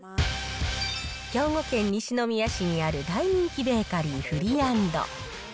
兵庫県西宮市にある大人気ベーカリー、フリアンド。